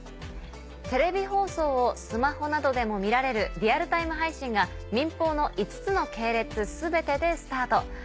テレビ放送をスマホなどでも見られるリアルタイム配信が民放の５つの系列全てでスタート。